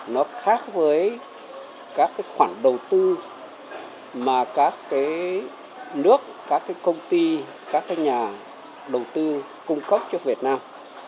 đầu tư mà các nước các công ty các nhà đầu tư cung cấp cho việt nam